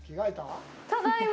ただいま。